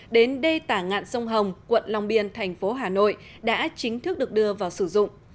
đến đê tả ngạn sông hồng quận long biên thành phố hà nội đã chính thức được đưa vào sử dụng